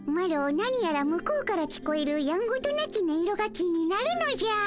何やら向こうからきこえるやんごとなき音色が気になるのじゃ。